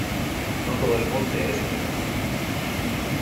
No todo el monte es orégano.